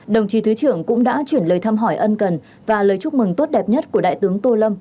đồng chí thứ trưởng cũng đã chuyển lời thăm hỏi ân cần và lời chúc mừng tốt đẹp nhất của đại tướng tô lâm